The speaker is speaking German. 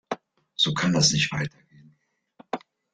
So kann es nicht weitergehen.